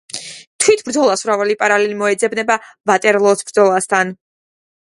თვით ბრძოლას მრავალი პარალელი მოეძებნება ვატერლოოს ბრძოლასთან.